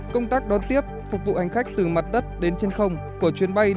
công tác đón tiếp phục vụ hành khách từ mặt đất đến trên không của chuyến bay